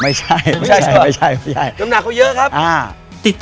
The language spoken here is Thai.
ไม่ใช่